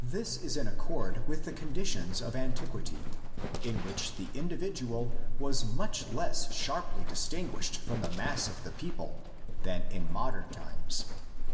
This is in accord with the conditions of antiquity, in which the individual was much less sharply dis tinguished from the mass of the people than in modern times.